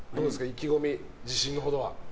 意気込み、自信のほどは。